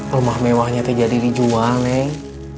rumah mewahnya teh jadi dijual neng